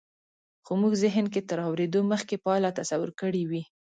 خو مونږ زهن کې تر اورېدو مخکې پایله تصور کړې وي